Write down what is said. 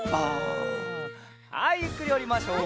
はいゆっくりおりましょう。